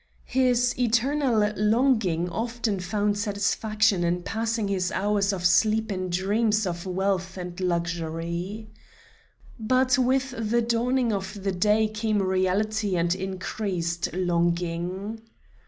His eternal longing often found satisfaction in passing his hours of sleep in dreams of wealth and luxury. But with the dawning of the day came reality and increased longing.